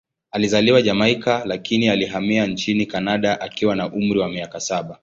Alizaliwa Jamaika, lakini alihamia nchini Kanada akiwa na umri wa miaka saba.